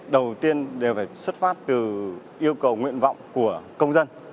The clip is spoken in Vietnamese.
đầu tiên đều phải xuất phát từ yêu cầu nguyện vọng của công dân